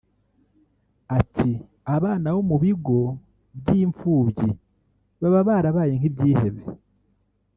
Ati “Abana bo mu bigo b y’imfubyi baba barabaye nk’ibyihebe